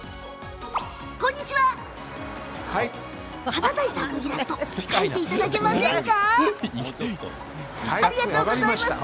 番組ＭＣの華大さんのイラスト描いていただけませんか？